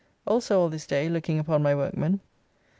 Also all this day looking upon my workmen.